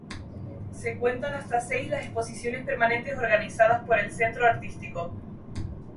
Se cuentan hasta seis, las exposiciones permanentes organizados por el Centro Artístico.